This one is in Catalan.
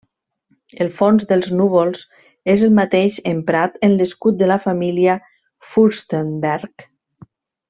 El fons de núvols és el mateix emprat en l'escut de la família Fürstenberg.